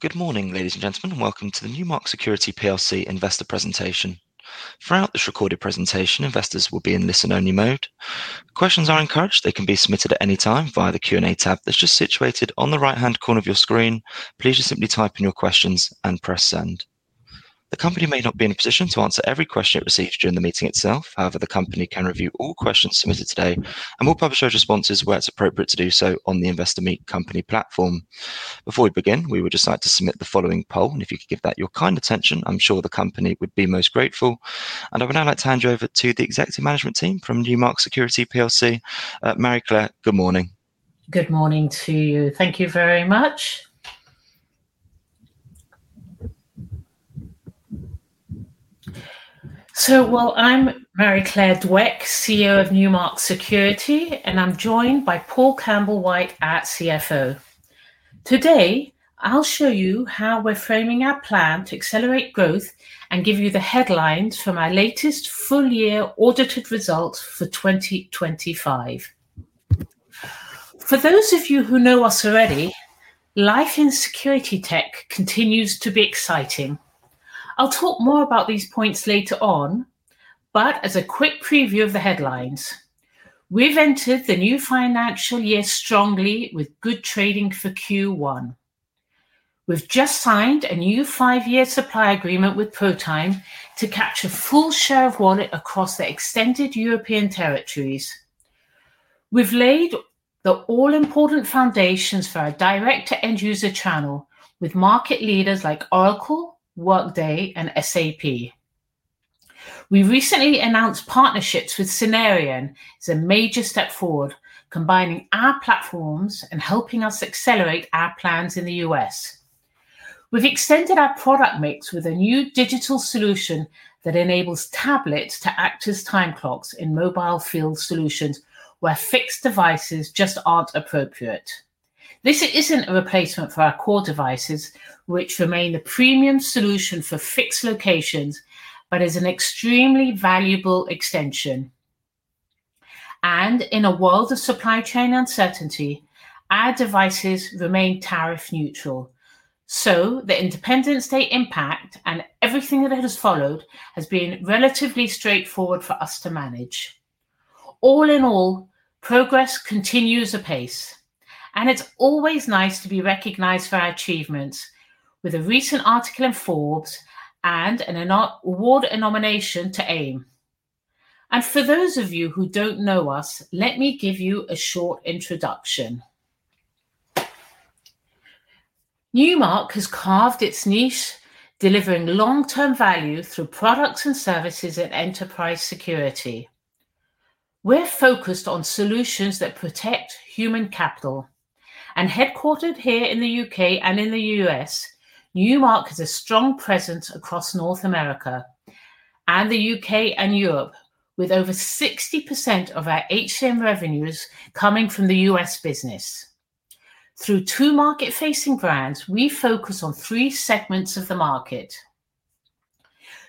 Good morning, ladies and gentlemen, and welcome to the Newmark Security Plc Investor Presentation. Throughout this recorded presentation, investors will be in listen only mode. Questions are encouraged. They can be submitted at any time via the Q and A tab that's just situated on the right hand corner of your screen. Please just simply type in your questions and press send. The company may not be in a position to answer every question it receives during the meeting itself. However, the company can review all questions submitted today and we'll publish those responses where it's appropriate to do so on the Investor Meet company platform. Before we begin, we would just like to submit the following poll. And if you could give that your kind attention, I'm sure the company would be most grateful. And I would now like to hand you over to the executive management team from Newmark Security plc. Mary Claire, good morning. Good morning to you. Thank you very much. So, well, I'm Mary Claire Dweck, CEO of Newmark Security, and I'm joined by Paul Campbell White at CFO. Today, I'll show you how we're framing our plan to accelerate growth and give you the headlines from our latest full year audited results for 2025. For those of you who know us already, life in security tech continues to be exciting. I'll talk more about these points later on, but as a quick preview of the headlines. We've entered the new financial year strongly with good trading for q one. We've just signed a new five year supply agreement with ProTime to capture full share of wallet across the extended European territories. We've laid the all important foundations for our direct to end user channel with market leaders like Oracle, Workday, and SAP. We recently announced partnerships with Cenarion. It's a major step forward combining our platforms and helping us accelerate our plans in The US. We've extended our product mix with a new digital solution that enables tablets to act as time clocks in mobile field solutions where fixed devices just aren't appropriate. This isn't a replacement for our core devices, which remain the premium solution for fixed locations, but is an extremely valuable extension. And in a world of supply chain uncertainty, our devices remain tariff neutral. So the Independence Day impact and everything that has followed has been relatively straightforward for us to manage. All in all, progress continues apace, and it's always nice to be recognized for our achievements with a recent article in Forbes and an award nomination to AIM. And for those of you who don't know us, let me give you a short introduction. Newmark has carved its niche, delivering long term value through products and services at enterprise security. We're focused on solutions that protect human capital. And headquartered here in The UK and in The US, Newmark has a strong presence across North America and The UK and Europe with over 60% of our HCM revenues coming from The US business. Through two market facing brands, we focus on three segments of the market.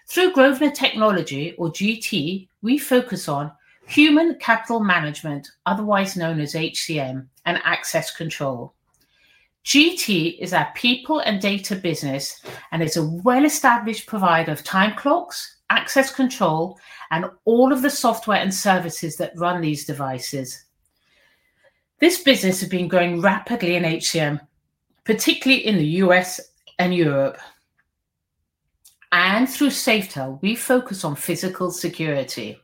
Through Grosvenor Technology or GT, we focus on human capital management, otherwise known as HCM, and access control. GT is our people and data business and is a well established provider of time clocks, access control, and all of the software and services that run these devices. This business have been growing rapidly in HCM, particularly in The US and Europe. And through Safetel, we focus on physical security.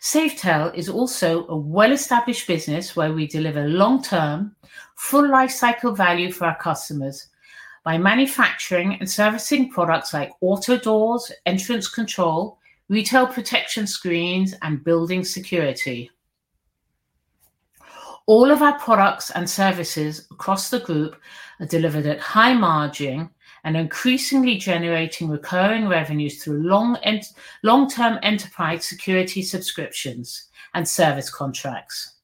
Safetel is also a well established business where we deliver long term, full life cycle value for our customers by manufacturing and servicing products like auto doors, entrance control, retail protection screens, and building security. All of our products and services across the group are delivered at high margin and increasingly generating recurring revenues through long long term enterprise security subscriptions and service contracts.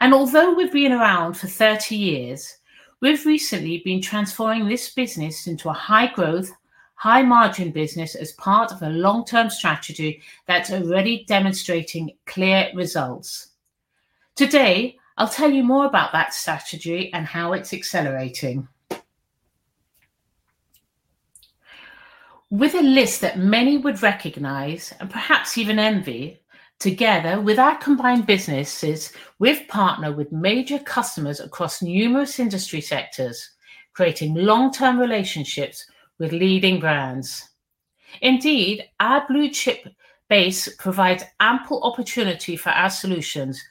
And although we've been around for thirty years, we've recently been transforming this business into a high growth, high margin business as part of a long term strategy that's already demonstrating clear results. Today, I'll tell you more about that strategy and how it's accelerating. With a list that many would recognize and perhaps even envy, together with our combined businesses, we've partnered with major customers across numerous industry sectors, creating long term relationships with leading brands. Indeed, our blue chip base provides ample opportunity for our solutions,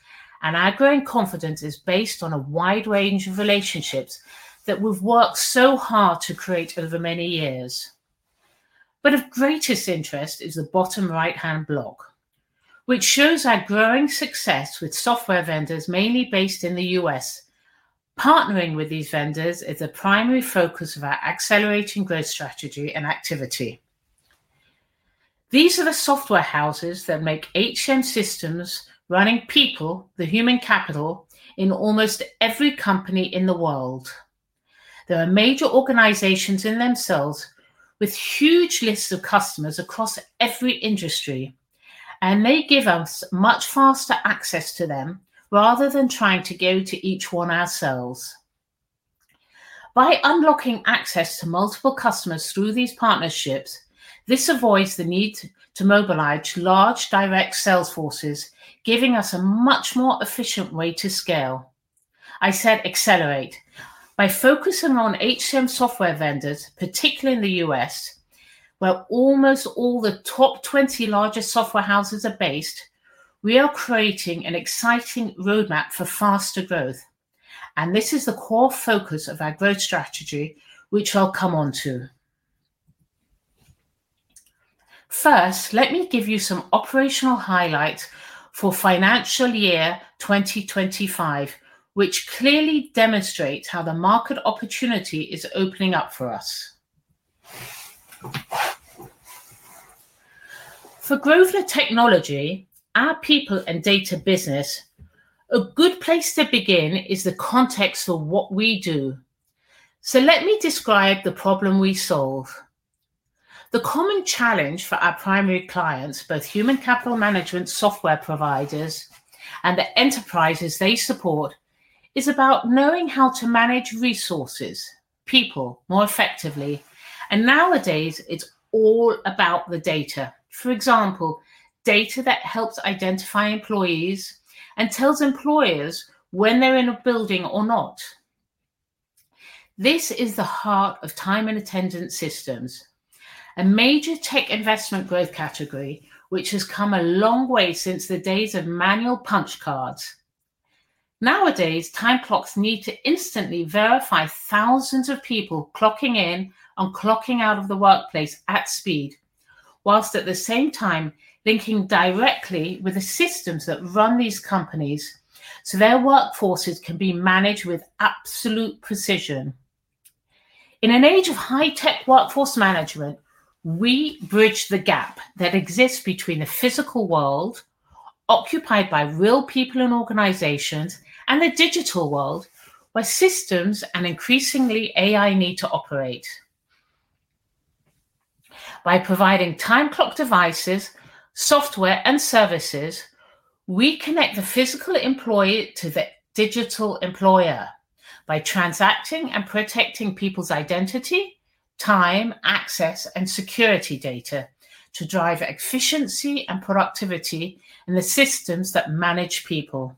and our growing confidence is based on a wide range of relationships that we've worked so hard to create over many years. But of greatest interest is the bottom right hand block, which shows our growing success with software vendors mainly based in The US. Partnering with these vendors is a primary focus of our accelerating growth strategy and activity. These are the software houses that make h m systems running people, the human capital in almost every company in the world. There are major organizations in themselves with huge lists of customers across every industry, and they give us much faster access to them rather than trying to go to each one ourselves. By unlocking access to multiple customers through these partnerships, this avoids the need to mobilize large direct sales forces, giving us a much more efficient way to scale. I said accelerate. By focusing on HCM software vendors, particularly in The US, where almost all the top 20 largest software houses are based, we are creating an exciting road map for faster growth. And this is the core focus of our growth strategy, which I'll come on to. First, let me give you some operational highlights for financial year 2025, which clearly demonstrates how the market opportunity is opening up for us. For growth of technology, our people and data business, a good place to begin is the context of what we do. So let me describe the problem we solve. The common challenge for our primary clients, both human capital management software providers and the enterprises they support, is about knowing how to manage resources, people more effectively. And nowadays, it's all about the data. For example, data that helps identify employees and tells employers when they're in a building or not. This is the heart of time and attendance systems, a major tech investment growth category which has come a long way since the days of manual punch cards. Nowadays, time clocks need to instantly verify thousands of people clocking in and clocking out of the workplace at speed, whilst at the same time, linking directly with the systems that run these companies so their workforces can be managed with absolute precision. In an age of high-tech workforce management, we bridge the gap that exists between the physical world occupied by real people and organizations and the digital world where systems and increasingly AI need to operate. By providing time clock devices, software, and services, we connect the physical employee to the digital employer by transacting and protecting people's identity, time, access, and security data to drive efficiency and productivity in the systems that manage people.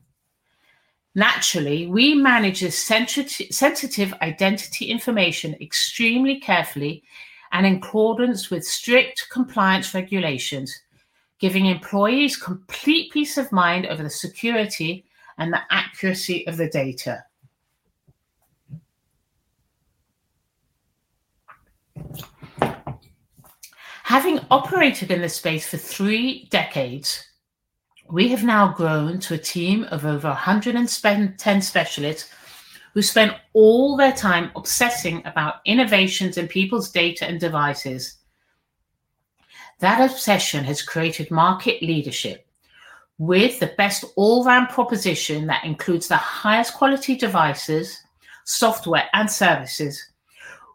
Naturally, we manage a sensitive identity information extremely carefully and in accordance with strict compliance regulations, giving employees complete peace of mind over the security and the accuracy of the data. Having operated in this space for three decades, we have now grown to a team of over a 100 and spend 10 specialists who spent all their time obsessing about innovations in people's data and devices. That obsession has created market leadership with the best all round proposition that includes the highest quality devices, software, and services,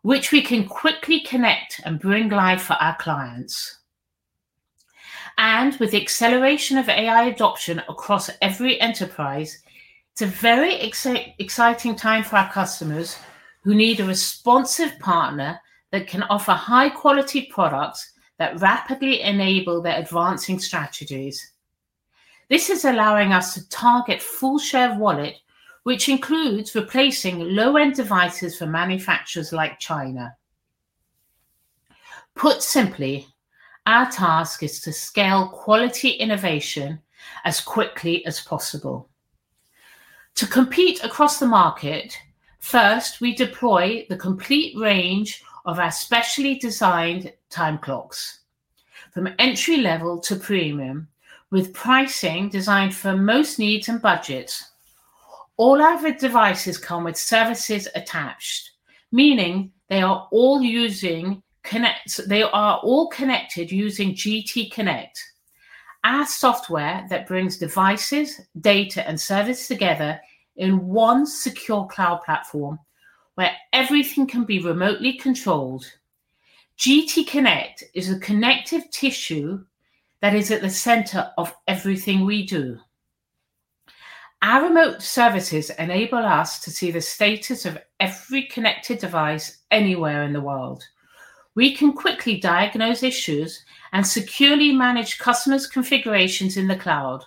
which we can quickly connect and bring life for our clients. And with the acceleration of AI adoption across every enterprise, it's a very excite exciting time for our customers who need a responsive partner that can offer high quality products that rapidly enable their advancing strategies. This is allowing us to target full share of wallet, which includes replacing low end devices for manufacturers like China. Put simply, our task is to scale quality innovation as quickly as possible. To compete across the market, first, we deploy the complete range of our specially designed time clocks from entry level to premium with pricing designed for most needs and budgets. All our devices come with services attached, meaning they are all using connect are all connected using GT Connect, our software that brings devices, data, and service together in one secure cloud platform where everything can be remotely controlled. GT Connect is a connective tissue that is at the center of everything we do. Our remote services enable us to see the status of every connected device anywhere in the world. We can quickly diagnose issues and securely manage customers' configurations in the cloud.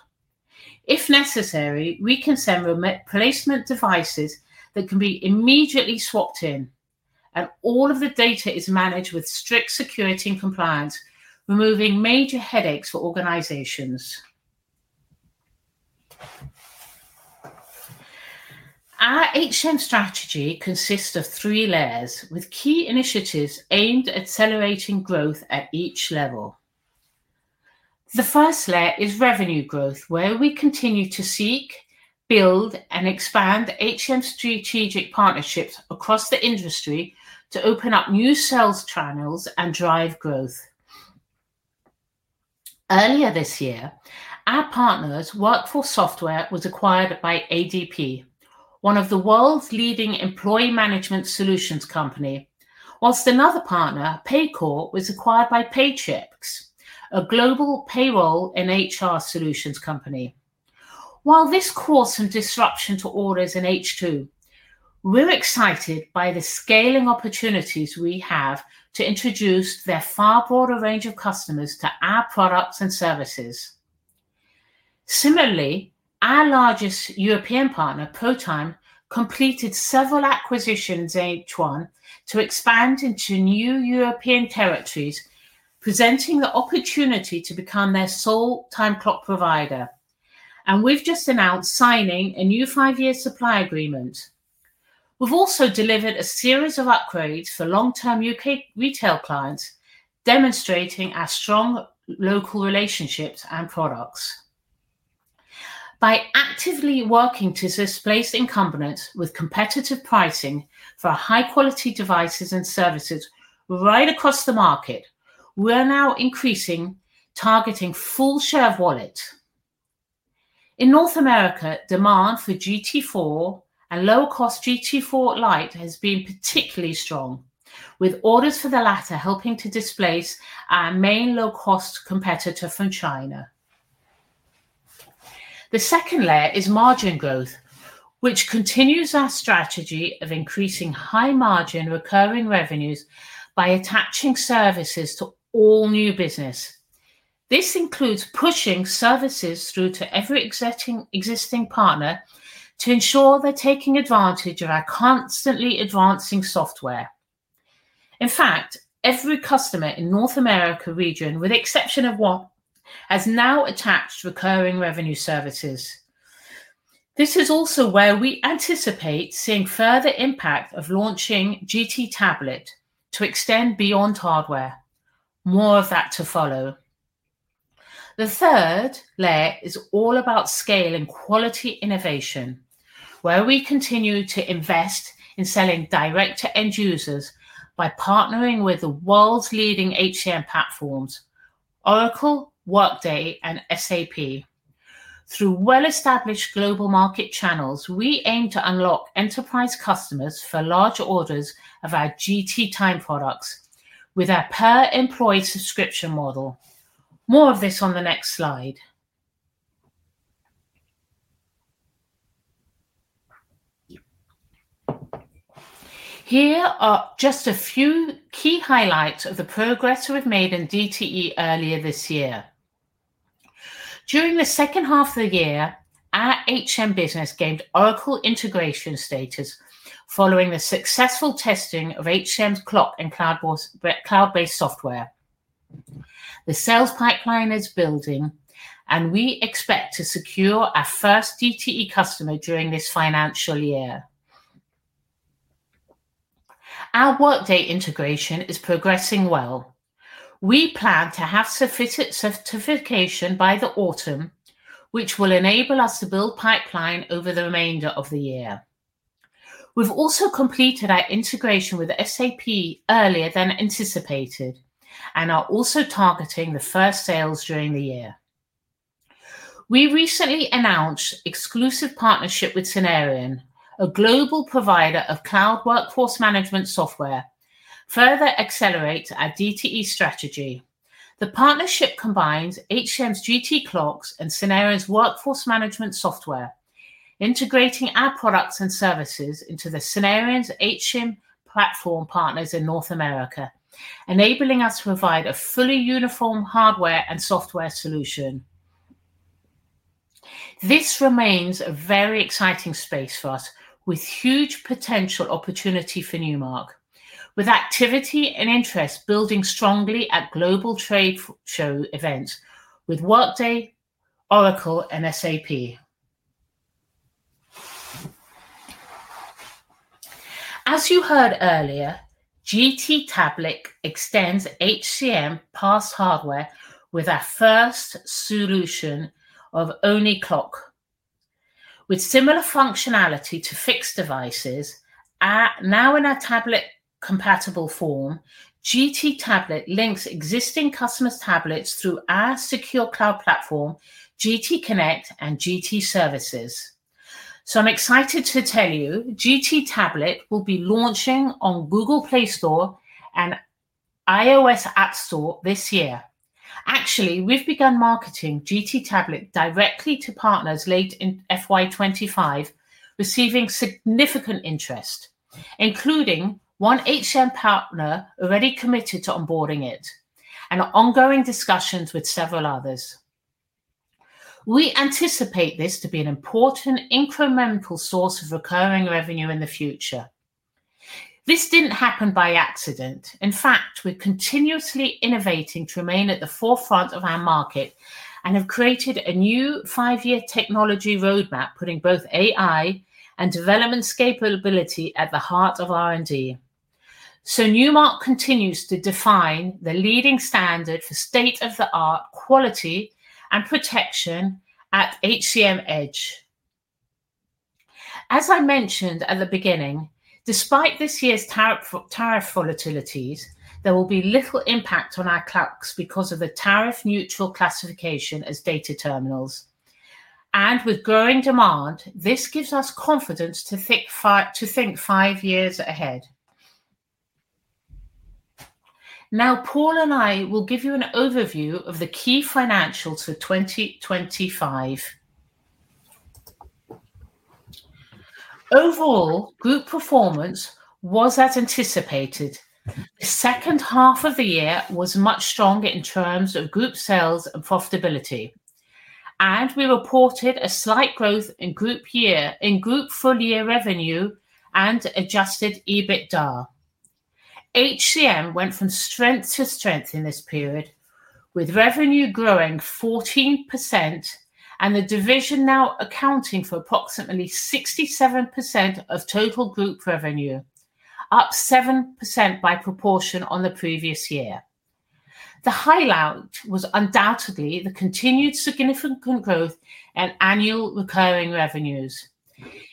If necessary, we can send replacement devices that can be immediately swapped in, And all of the data is managed with strict security and compliance, removing major headaches for organizations. Our h m strategy consists of three layers with key initiatives aimed accelerating growth at each level. The first layer is revenue growth where we continue to seek, build, and expand h m strategic partnerships across the industry to open up new sales channels and drive growth. Earlier this year, our partners, Workforce Software, was acquired by ADP, one of the world's leading employee management solutions company. Whilst another partner, Paycor, was acquired by Paychips, a global payroll and HR solutions company. While this caused some disruption to orders in H two, we're excited by the scaling opportunities we have to introduce their far broader range of customers to our products and services. Similarly, our largest European partner, Proton, completed several acquisitions in H1 to expand into new European territories, presenting the opportunity to become their sole time clock provider. And we've just announced signing a new five year supply agreement. We've also delivered a series of upgrades for long term UK retail clients, demonstrating our strong local relationships and products. By actively working to displace incumbents with competitive pricing for high quality devices and services right across the market, we're now increasing targeting full share of wallet. In North America, demand for g t four and low cost g t four Lite has been particularly strong with orders for the latter helping to displace our main low cost competitor from China. The second layer is margin growth, which continues our strategy of increasing high margin recurring revenues by attaching services to all new business. This includes pushing services through to every existing partner to ensure they're taking advantage of our constantly advancing software. In fact, every customer in North America region with exception of what has now attached recurring revenue services. This is also where we anticipate seeing further impact of launching GT tablet to extend beyond hardware. More of that to follow. The third layer is all about scale and quality innovation, where we continue to invest in selling direct to end users by partnering with the world's leading HCM platforms, Oracle, Workday, and SAP. Through well established global market channels, we aim to unlock enterprise customers for large orders of our GT time products with our per employee subscription model. More of this on the next slide. Here are just a few key highlights of the progress we've made in DTE earlier this year. During the second half of the year, our business gained Oracle integration status following the successful testing of clock and cloud was cloud based software. The sales pipeline is building, and we expect to secure our first DTE customer during this financial year. Our workday integration is progressing well. We plan to have sufficient certification by the autumn, which will enable us to build pipeline over the remainder of the year. We've also completed our integration with SAP earlier than anticipated and are also targeting the first sales during the year. We recently announced exclusive partnership with Cenarion, a global provider of cloud workforce management software, further accelerate our DTE strategy. The partnership combines HM's GT clocks and Scenarios workforce management software, integrating our products and services into the Scenarios platform partners in North America, enabling us to provide a fully uniform hardware and software solution. This remains a very exciting space for us with huge potential opportunity for Newmark, with activity and interest building strongly at global trade show events with Workday, Oracle, and SAP. As you heard earlier, GT tablet extends HCM pass hardware with our first solution of OniClock. With similar functionality to fixed devices, now in a tablet compatible form, GT tablet links existing customers tablets through our secure cloud platform, GT Connect and GT services. So I'm excited to tell you GT tablet will be launching on Google Play Store and iOS App Store this year. Actually, we've begun marketing GT tablet directly to partners late in f y twenty five, receiving significant interest, including one partner already committed to onboarding it and ongoing discussions with several others. We anticipate this to be an important incremental source of recurring revenue in the future. This didn't happen by accident. In fact, we're continuously innovating to remain at the forefront of our market and have created a new five year technology road map putting both AI and development capability at the heart of r and d. So Newmark continues to define the leading standard for state of the art quality and protection at HCM Edge. As I mentioned at the beginning, despite this year's tariff tariff volatilities, there will be little impact on our clocks because of the tariff neutral classification as data terminals. And with growing demand, this gives us confidence to think to think five years ahead. Now Paul and I will give you an overview of the key financials for 2025. Overall, group performance was as anticipated. Second half of the year was much stronger in terms of group sales and profitability. And we reported a slight growth in group year in group full year revenue and adjusted EBITDA. HCM went from strength to strength in this period with revenue growing 14% and the division now accounting for approximately 67% of total group revenue, up 7% by proportion on the previous year. The highloud was undoubtedly the continued significant growth and annual recurring revenues.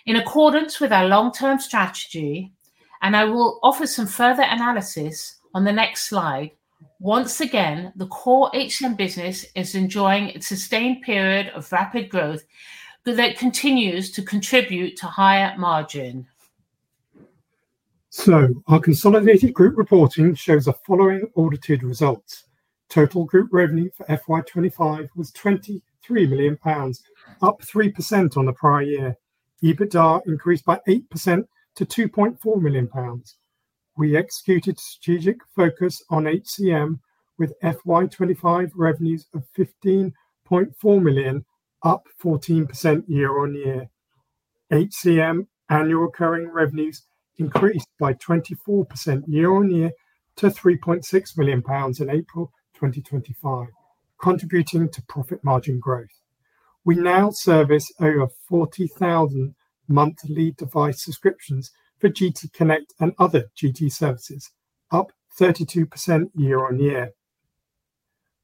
In accordance with our long term strategy, and I will offer some further analysis on the next slide, once again, the core h m business is enjoying its sustained period of rapid growth but that continues to contribute to higher margin. So our consolidated group reporting shows the following audited results. Total group revenue for f y twenty five was £23,000,000, up 3% on the prior year. EBITDA increased by 8% to £2,400,000 We executed strategic focus on HCM with FY twenty five revenues of 15,400,000.0 up 14% year on year. HCM annual recurring revenues increased by 24% year on year to £3,600,000 in April 2025 contributing to profit margin growth. We now service over 40,000 monthly device subscriptions for GT Connect and other GT services, up 32% year on year.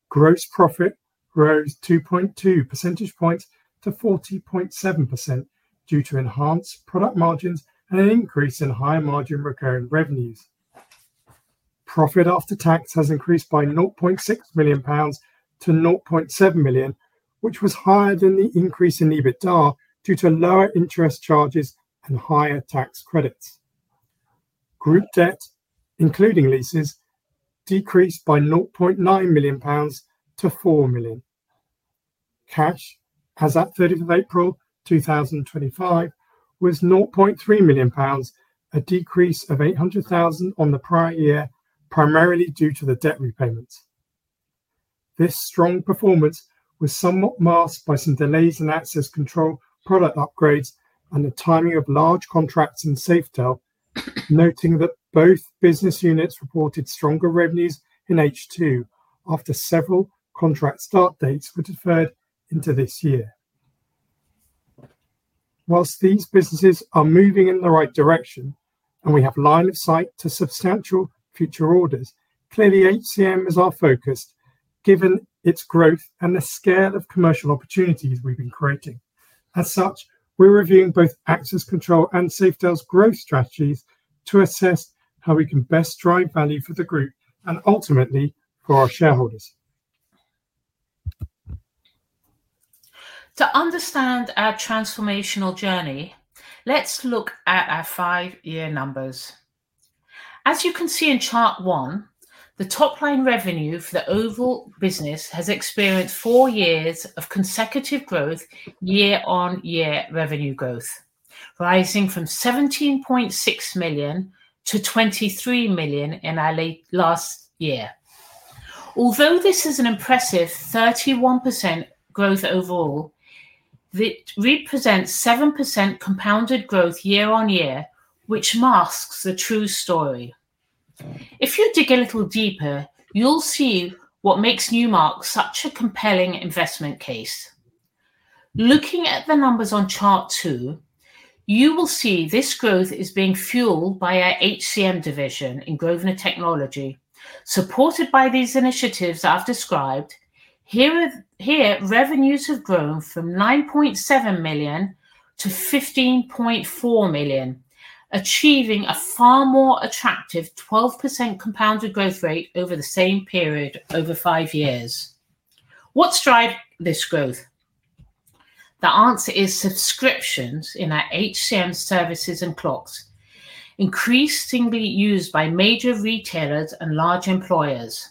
Gross profit rose 2.2 percentage points to 40.7% due to enhanced product margins and an increase in higher margin recurring revenues. Profit after tax has increased by £600,000 to 700,000.0 which was higher than the increase in EBITDA due to lower interest charges and higher tax credits. Group debt including leases decreased by £900,000 to 4,000,000. Cash as at 04/30/2025 was £300,000 a decrease of 800,000 on the prior year primarily due to the debt repayments. This strong performance was somewhat masked by some delays in access control, product upgrades and the timing of large contracts in Safetel noting that both business units reported stronger revenues in h two after several contract start dates were deferred into this year. Whilst these businesses are moving in the right direction and we have line of sight to substantial future orders, Clearly HCM is our focus given its growth and the scale of commercial opportunities we've been creating. As such, we're reviewing both access control and SafeDale's growth strategies to assess how we can best drive value for the group and ultimately for our shareholders. To understand our transformational journey, let's look at our five year numbers. As you can see in chart one, the top line revenue for the oval business has experienced four years of consecutive growth year on year revenue growth, rising from 17,600,000.0 to 23,000,000 in early last year. Although this is an impressive 31% growth overall, it represents 7% compounded growth year on year, which masks the true story. If you dig a little deeper, you'll see what makes Newmark such a compelling investment case. Looking at the numbers on chart two, you will see this growth is being fueled by our HCM division in Grosvenor Technology supported by these initiatives I've described. Here here, revenues have grown from 9,700,000.0 to 15,400,000.0, achieving a far more attractive 12% compounded growth rate over the same period over five years. What's drive this growth? The answer is subscriptions in our HCM services and clocks, increasingly used by major retailers and large employers.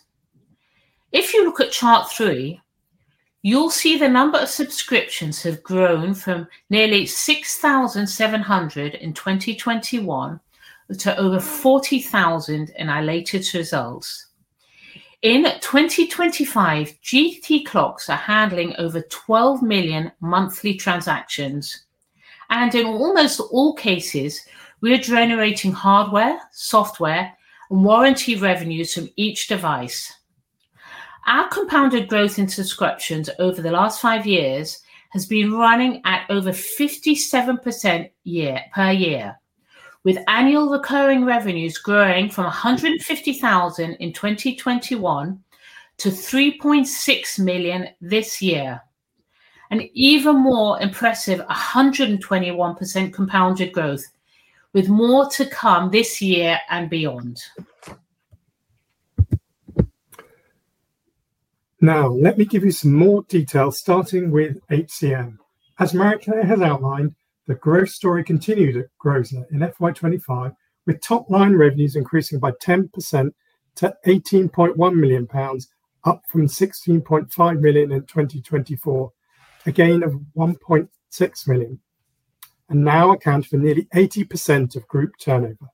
If you look at chart three, you'll see the number of subscriptions have grown from nearly 6,700 in 2021 to over 40,000 in our latest results. In 2025, GT clocks are handling over 12,000,000 monthly transactions. And in almost all cases, we are generating hardware, software, warranty revenues from each device. Our compounded growth in subscriptions over the last five years has been running at over 57% year per year, with annual recurring revenues growing from a 150,000 in 2021 to 3,600,000.0 this year, an even more impressive a 121% compounded growth with more to come this year and beyond. Now let me give you some more details starting with HCM. As Mariker has outlined, the growth story continued at Groza in FY twenty five with top line revenues increasing by 10% to £18,100,000 up from £16,500,000 in 2024, a gain of £1,600,000 and now accounts for nearly 80% of group turnover.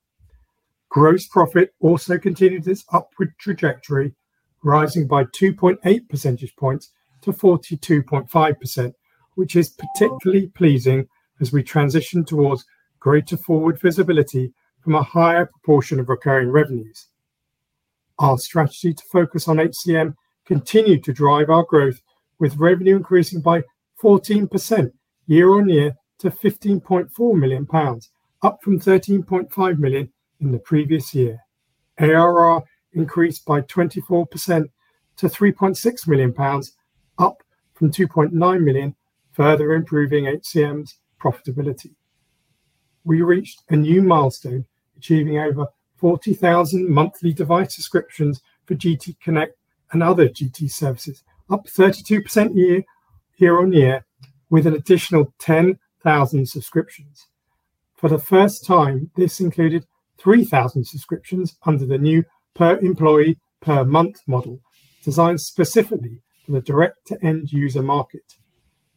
Gross profit also continued its upward trajectory rising by 2.8 percentage points to 42.5% which is particularly pleasing as we transition towards greater forward visibility from a higher proportion of recurring revenues. Our strategy to focus on HCM continued to drive our growth with revenue increasing by 14% year on year to £15,400,000 up from £13,500,000 in the previous year. ARR increased by 24% to £3,600,000 up from £2,900,000 further improving HCM's profitability. We reached a new milestone achieving over 40,000 monthly device subscriptions for GT Connect and other GT services, up 32% year on year with an additional 10,000 subscriptions. For the first time, this included 3,000 subscriptions under the new per employee per month model designed specifically for the direct to end user market.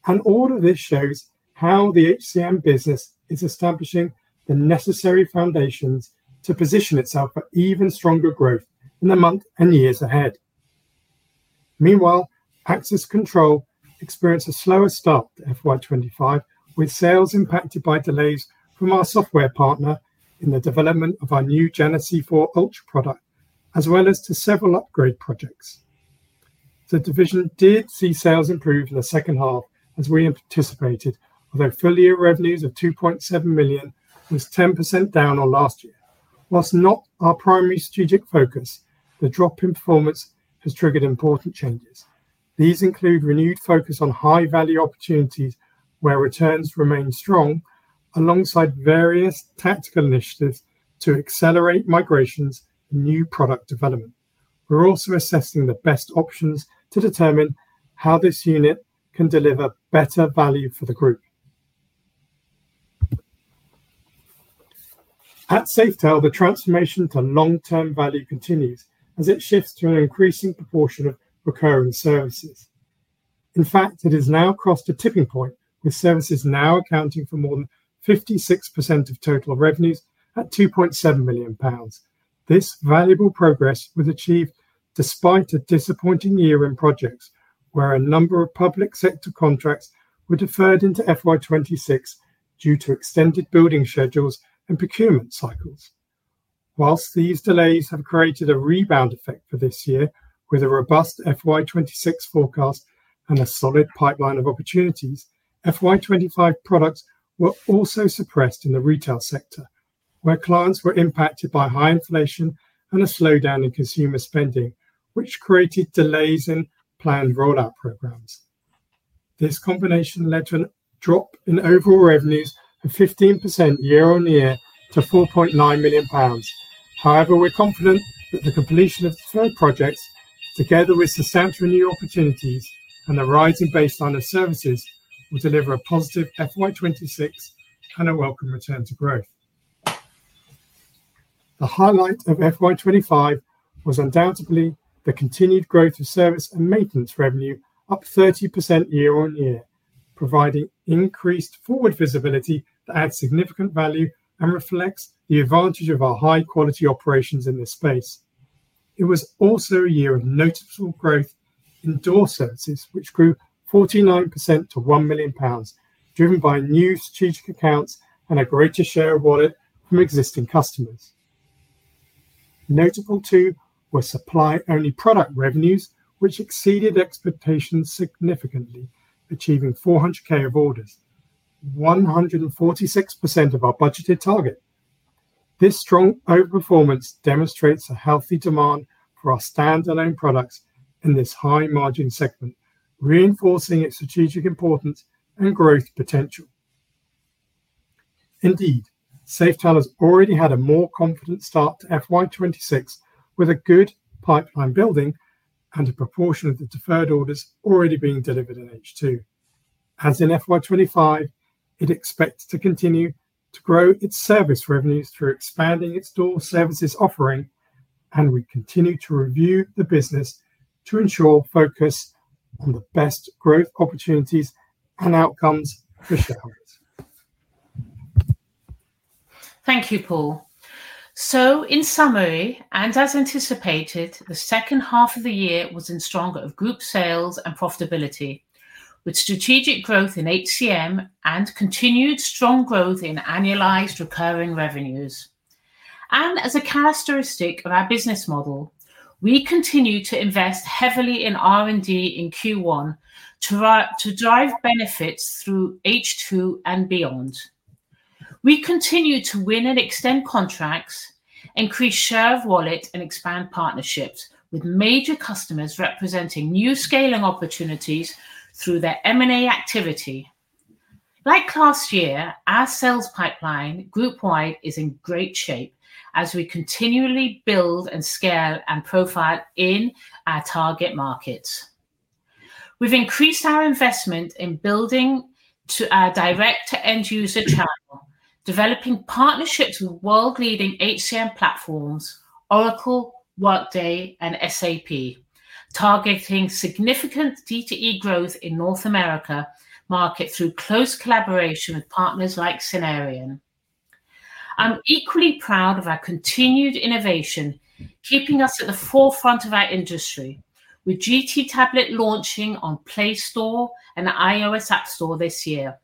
And all of this shows how the HCM business is establishing the necessary foundations to position itself for even stronger growth in the month and years ahead. Meanwhile, Axis Control experienced a slower start in FY twenty five with sales impacted by delays from our software partner in the development of our new Genesee four Ultra product as well as to several upgrade projects. The division did see sales improve in the second half as we have anticipated, although full year revenues of 2,700,000.0 was 10% down on last year. Whilst not our primary strategic focus, the drop in performance has triggered important changes. These include renewed focus on high value opportunities where returns remain strong alongside various tactical initiatives to accelerate migrations, new product development. We're also assessing the best options to determine how this unit can deliver better value for the group. At Safetail, the transformation to long term value continues as it shifts to an increasing proportion of recurring services. In fact, it has now crossed the tipping point with services now accounting for more than 56% of total revenues at £2,700,000 This valuable progress was achieved despite a disappointing year in projects where a number of public sector contracts were deferred into FY twenty six due to extended building schedules and procurement cycles. Whilst these delays have created a rebound effect for this year with a robust f y twenty six forecast and a solid pipeline of opportunities, f y twenty five products were also suppressed in the retail sector where clients were impacted by high inflation and a slowdown in consumer spending, which created delays in planned rollout programs. This combination led to a drop in overall revenues of 15% year on year to £4,900,000 However, we're confident that the completion of the third projects together with substantial new opportunities and the rising baseline of services will deliver a positive FY 2026 and a welcome return to growth. The highlight of f y twenty five was undoubtedly the continued growth of service and maintenance revenue, up 30% year on year, providing increased forward visibility to add significant value and reflects the advantage of our high quality operations in this space. It was also a year of noticeable growth in door services, which grew 49% to £1,000,000 driven by new strategic accounts and a greater share of wallet from existing customers. Notable too were supply only product revenues, which exceeded expectations significantly, achieving 400 k of orders, 146% of our budgeted target. This strong outperformance demonstrates a healthy demand for our standalone products in this high margin segment reinforcing its strategic importance and growth potential. Indeed, Safetail has already had a more confident start to FY twenty six with a good pipeline building and a proportion of the deferred orders already being delivered in H2. As in FY '25, it expects to continue to grow its service revenues through expanding its store services offering and we continue to review the business to ensure focus on the best growth opportunities and outcomes for shareholders. Thank you, Paul. So in summary, and as anticipated, the second half of the year was in stronger group sales and profitability with strategic growth in HCM and continued strong growth in annualized recurring revenues. And as a characteristic of our business model, we continue to invest heavily in r and d in q one to to drive benefits through h two and beyond. We continue to win and extend contracts, increase share of wallet, and expand partnerships with major customers representing new scaling opportunities through their m and a activity. Like last year, our sales pipeline group wide is in great shape as we continually build and scale and profile in our target markets. We've increased our investment in building to our direct to end user channel, developing partnerships with world leading HCM platforms, Oracle, Workday, and SAP, targeting significant d to e growth in North America market through close collaboration with partners like Cinerion. I'm equally proud of our continued innovation, keeping us at the forefront of our industry with GT tablet launching on Play Store and iOS App Store this year,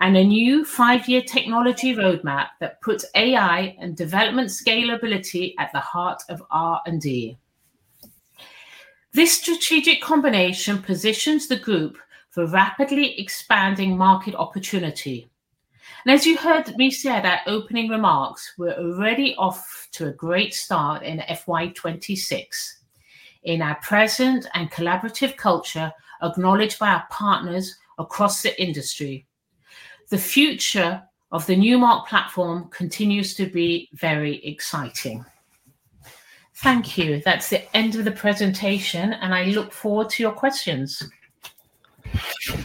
and a new five year technology road map that puts AI and development scalability at the heart of r and d. This strategic combination positions the group for rapidly expanding market opportunity. And as you heard me say at our opening remarks, we're already off to a great start in f y twenty six In our present and collaborative culture acknowledged by our partners across the industry, the future of the Newmark platform continues to be very exciting. Thank you. That's the end of the presentation, and I look forward to your questions.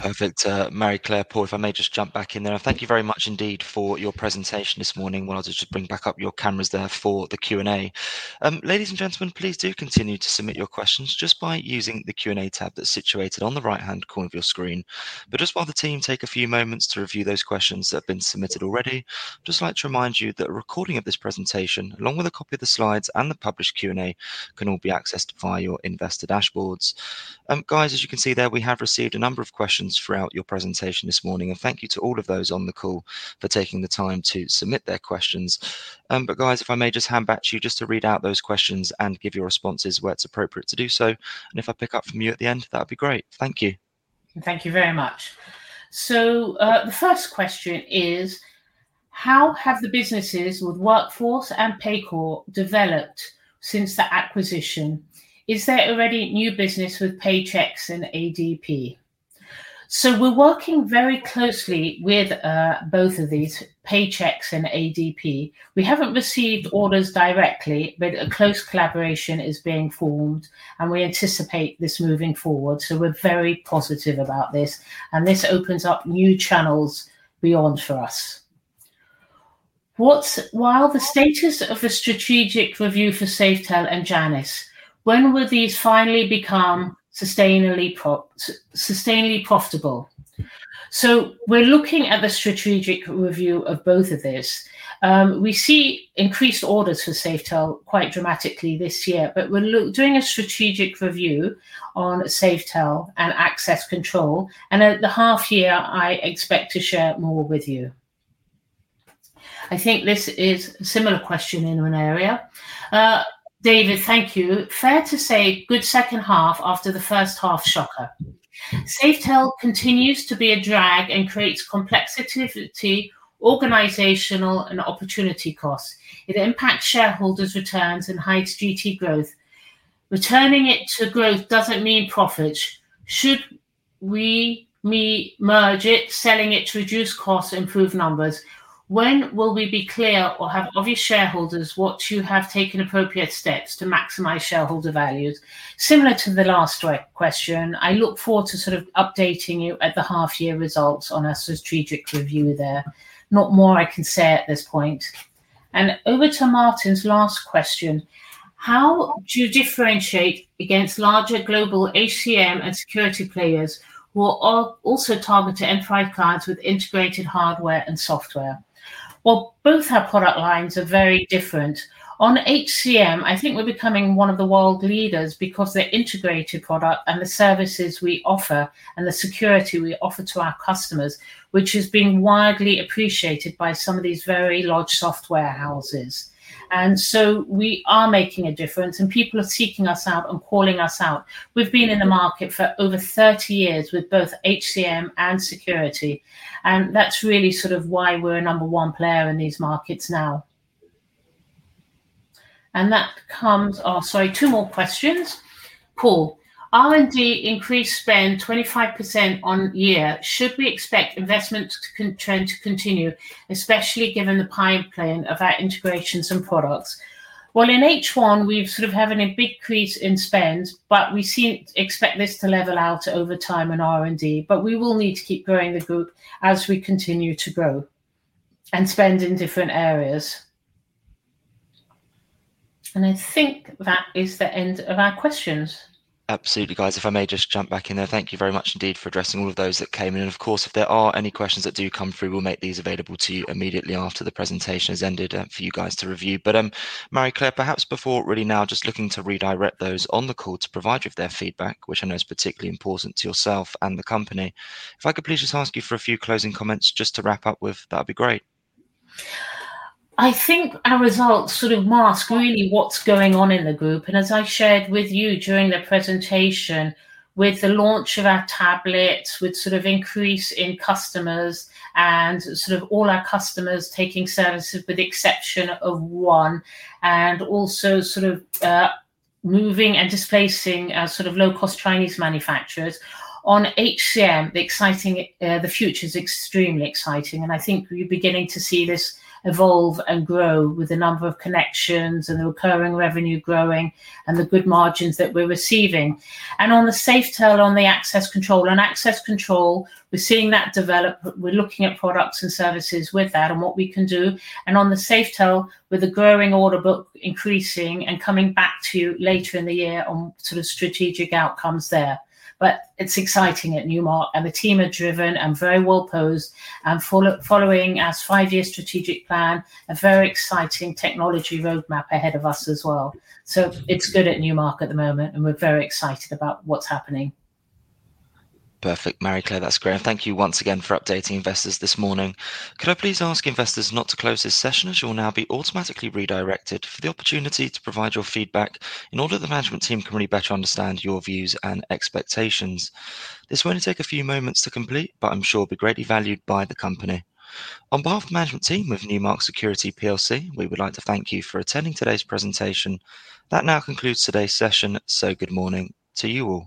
Perfect. Mary Claire, Paul, if I may just jump back in there. Thank you very much indeed for your presentation this morning. Well, I'll just bring back up your cameras there for the q and a. Ladies and gentlemen, please do continue to submit your questions just by using the Q and A tab that's situated on the right hand corner of your screen. But just while the team take a few moments to review those questions that have been submitted already, just like to remind you that a recording of this presentation, along with a copy of the slides and the published Q and A, can all be accessed via your investor dashboards. Guys, as you can see there, we have received a number of questions throughout your presentation this morning, and thank you to all of those on the call for taking the time to submit their questions. But, guys, if I may just hand back to you just to read out those questions and give your responses where it's appropriate to do so. And if I pick up from you at the end, that would be great. Thank you. Thank you very much. So the first question is, how have the businesses with Workforce and Paycor developed since the acquisition? Is there already new business with Paychex and ADP? So we're working very closely with both of these, paychecks and ADP. We haven't received orders directly, but a close collaboration is being formed, and we anticipate this moving forward. So we're very positive about this, and this opens up new channels beyond for us. What's while the status of a strategic review for Safetel and Janice, when will these finally become sustainably prop sustainably profitable? So we're looking at the strategic review of both of this. We see increased orders for Safetel quite dramatically this year, but we're doing a strategic review on Safetel and access control. And at the half year, I expect to share more with you. I think this is similar question in one area. David, thank you. Fair to say good second half after the first half shocker. SafeTel continues to be a drag and creates complexity, organizational, and opportunity costs. It impacts shareholders' returns and hides GT growth. Returning it to growth doesn't mean profits. Should we we merge it, selling it to reduce costs, improve numbers, When will we be clear or have obvious shareholders what you have taken appropriate steps to maximize shareholder values? Similar to the last question, I look forward to sort of updating you at the half year results on a strategic review there. Not more I can say at this point. And over to Martin's last question, how do you differentiate against larger global HCM and security players who are also targeted to end five cards with integrated hardware and software? Well, both our product lines are very different. On HCM, I think we're becoming one of the world leaders because they're integrated product and the services we offer and the security we offer to our customers, which has been widely appreciated by some of these very large software houses. And so we are making a difference, and people are seeking us out and calling us out. We've been in the market for over thirty years with both HCM and security, and that's really sort of why we're a number one player in these markets now. And that comes oh, sorry. Two more questions. Cool. R and D increased spend 25% on year. Should we expect investments to contend to continue, especially given the pipeline of our integrations and products? Well, in h one, we've sort of having a big crease in spends, but we see expect this to level out over time in r and d. But we will need to keep growing the group as we continue to grow and spend in different areas. And I think that is the end of our questions. Absolutely, guys. If I may just jump back in there. Thank you very much indeed for addressing all of those that came in. And, of course, if there are any questions that do come through, we'll make these available to you immediately after the presentation has ended for you guys to review. But Marie Claire, perhaps before really now, just looking to redirect those on the call to provide you with their feedback, which I know is particularly important to yourself and the company. If I could please just ask you for a few closing comments just to wrap up with, that'd be great. I think our results sort of mask really what's going on in the group. And as I shared with you during the presentation, with the launch of our tablets, with sort of increase in customers, and sort of all our customers taking services with the exception of one, and also sort of moving and displacing sort of low cost Chinese manufacturers. On HCM, the exciting the future is extremely exciting. And I think we're beginning to see this evolve and grow with the number of connections and the recurring revenue growing and the good margins that we're receiving. And on the safe tell on the access control, on access control, we're seeing that develop. We're looking at products and services with that and what we can do. And on the safe tell, with the growing order book increasing and coming back to you later in the year on sort of strategic outcomes there. But it's exciting at Newmark, and the team are driven and very well posed and follow following as five year strategic plan, a very exciting technology road map ahead of us as well. So it's good at Newmark at the moment, and we're very excited about what's happening. Perfect. Mary Claire, that's great. And thank you once again for updating investors this morning. Could I please ask investors not to close this session as you will now be automatically redirected for the opportunity to provide your feedback in order that the management team can really better understand your views and expectations. This will only take a few moments to complete, but I'm sure it will be greatly valued by the company. On behalf of the management team of Newmark Security plc, we would like to thank you for attending today's presentation. That now concludes today's session. So good morning to you all.